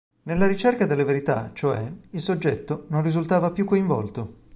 Nella ricerca della verità, cioè, il soggetto non risultava più coinvolto.